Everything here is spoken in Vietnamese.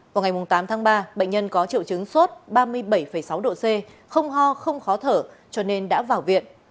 vào ngày tám tháng ba bệnh nhân có triệu chứng sốt ba mươi bảy sáu độ c không ho không khó thở cho nên đã vào viện